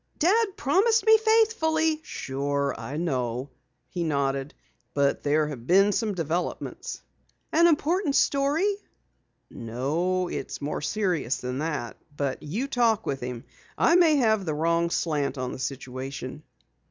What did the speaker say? Dad promised me faithfully " "Sure, I know," he nodded, "but there have been developments." "An important story?" "No, it's more serious than that. But you talk with him. I may have the wrong slant on the situation."